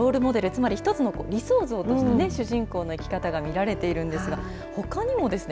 つまり一つの理想像として主人公の生き方が見られているんですがほかにもですね